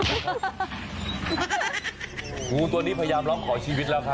งูตัวนี้พยายามร้องขอชีวิตแล้วครับ